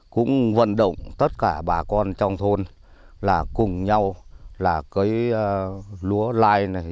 cũng vận động tất cả bà con trong thôn là cùng nhau là cấy lúa lai này